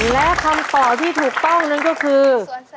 และคำตอบที่ถูกต้องนั่นก็คือ